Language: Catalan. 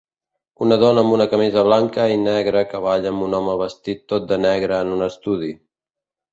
Una dona amb una camisa blanca i negra que balla amb un home vestit tot de negre en un estudi.